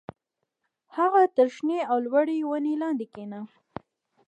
هغه تر شنې او لوړې ونې لاندې کېنه